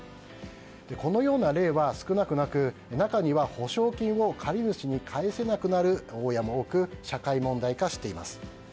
このような例は少なくなく中には保証金を借り主に返せなくなる大家も多く社会問題化しています。